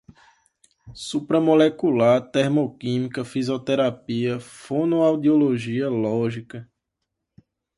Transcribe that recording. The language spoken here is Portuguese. supramolecular, termoquímica, fisioterapia, fonoaudiologia, lógica